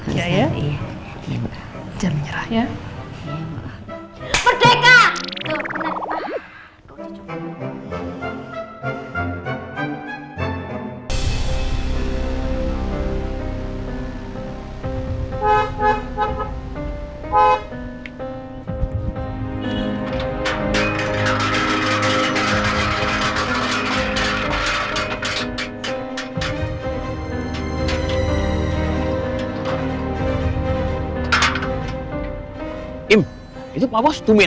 nggak perlu saya bantuin